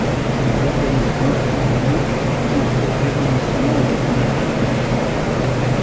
Ils organisent l'Empire romain contre les révolutions et les invasions.